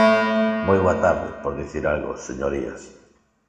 Moi boa tarde, por dicir algo, señorías.